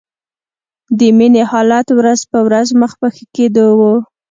د مينې حالت ورځ په ورځ مخ په ښه کېدو و